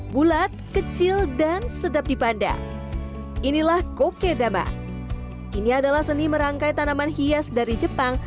bulat kecil dan sedap dipandang inilah kokedama ini adalah seni merangkai tanaman hias dari jepang